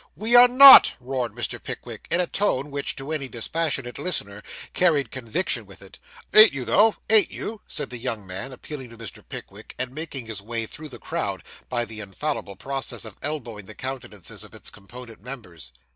'We are not,' roared Mr. Pickwick, in a tone which, to any dispassionate listener, carried conviction with it. 'Ain't you, though ain't you?' said the young man, appealing to Mr. Pickwick, and making his way through the crowd by the infallible process of elbowing the countenances of its component members.